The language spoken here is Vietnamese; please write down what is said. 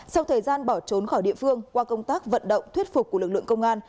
sau thời gian bỏ trốn khỏi địa phương qua công tác vận động thuyết phục của lực lượng công an